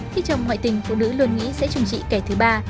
thì chồng ngoại tình phụ nữ luôn nghĩ sẽ trùng trị kẻ thứ ba